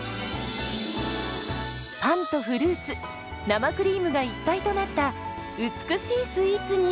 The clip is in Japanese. パンとフルーツ生クリームが一体となった美しいスイーツに。